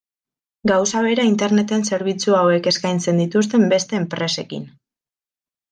Gauza bera Interneten zerbitzu hauek eskaintzen dituzten beste enpresekin.